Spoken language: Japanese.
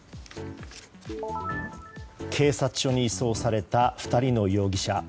警察署に移送された２人の容疑者。